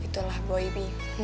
ya itulah boy pi